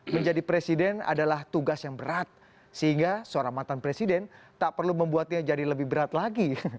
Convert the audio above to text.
menjadi presiden adalah tugas yang berat sehingga seorang mantan presiden tak perlu membuatnya jadi lebih berat lagi